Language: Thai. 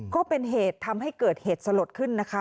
ก็เป็นเหตุทำให้เกิดเหตุสลดขึ้นนะคะ